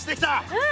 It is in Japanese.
うん。